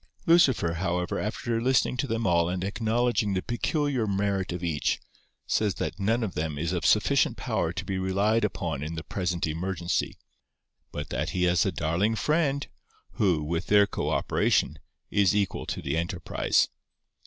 Lucifer, however, after listening to them all and acknowledging the peculiar merit of each, says that none of them is of sufficient power to be relied upon in the present emergency, but that he has a darling friend, who, with their co operation, is equal to the enterprise.